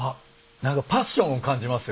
何かパッションを感じますよ。